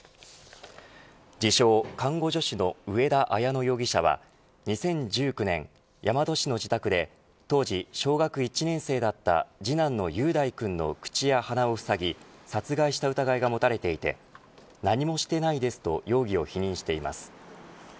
自称看護助手の上田綾乃容疑者は２０１９年、大和市の自宅で当時小学１年生だった次男の雄大君の口や鼻をふさぎ殺害した疑いが持たれていて何もしてないですと容疑を否認しています。